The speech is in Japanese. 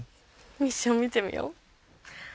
ミッション見てみよう。